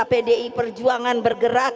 pdi perjuangan bergerak